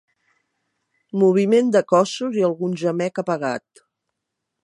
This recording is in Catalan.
Moviments de cossos i algun gemec apagat.